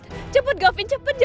karena mereka juga menangkapnya